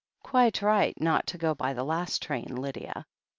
"Quite right not to go by the last train, Lydia."